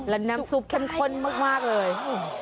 แล้วน้ำซุปเข้มข้นมากเลย